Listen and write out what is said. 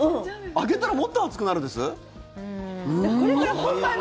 明けたらもっと暑くなるんです？